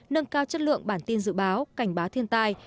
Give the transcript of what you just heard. nâng cao chất lượng bản tin dự báo cảnh báo thiên tai